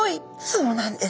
そうなんです。